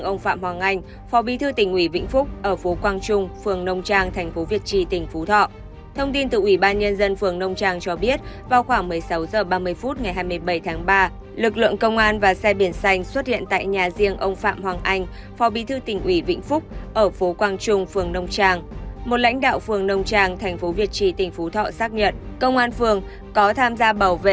ông phạm hoàng anh đã nhận tiền của nguyễn văn hậu tức hậu pháo chủ tịch hội đồng quản trị tập đoàn phúc sơn